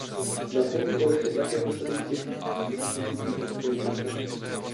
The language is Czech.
Na frontu odešlo také posledních pět tisíc příslušníků císařské gardy.